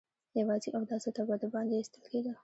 يواځې اوداسه ته به د باندې ايستل کېده.